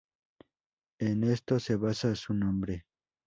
En esto se basa su nombre.